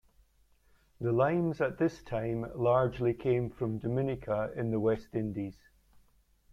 The limes at this time largely came from Dominica in the West Indies.